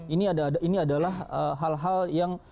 ini adalah hal hal yang